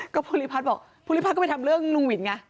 ก็ภูริพัฒน์บอกภูริพัฒน์ก็ไปทำเรื่องลุงวินไง